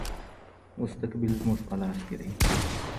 مستقبل زموږ په لاس کې دی.